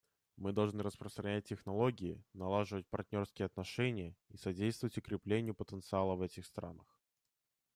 Мы должны распространять технологии, налаживать партнерские отношения и содействовать укреплению потенциала в этих странах.